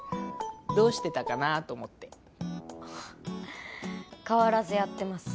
どうしてたかなと思って変わらずやってます